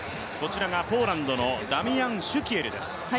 ポーランドのダミアン・シュキエルです。